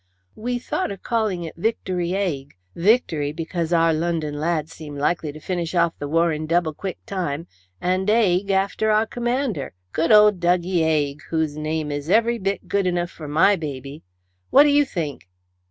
"We thought of calling it Victory 'Aig. Victory, because our London lads seem likely to finish off the war in double quick time, and 'Aig after our commander, good old Duggie 'Aig, whose name is every bit good enough for my baby. What do you think?